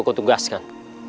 aku akan membuat tugas